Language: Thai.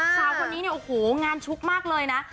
สาวคนนี้เนี่ยโอ้โหงานชุกมากเลยนะ